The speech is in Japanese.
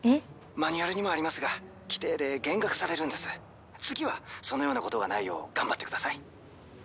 ☎マニュアルにもありますが☎規定で減額されるんです☎次はそのようなことがないよう頑張ってください